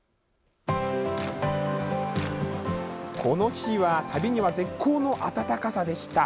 この日は旅には絶好の暖かさでした。